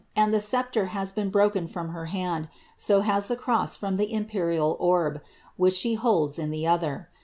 and the sceptre has been brolieii (nm her hand, the cross from the imperial orb, which she huld* in itu othe r.